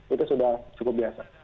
itu sudah cukup biasa